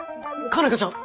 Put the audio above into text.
佳奈花ちゃん